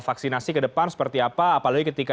vaksinasi ke depan seperti apa apalagi ketika